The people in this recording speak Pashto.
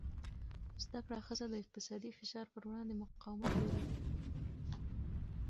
زده کړه ښځه د اقتصادي فشار پر وړاندې مقاومت لري.